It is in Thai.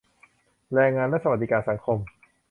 แรงงานและสวัสดิการสังคม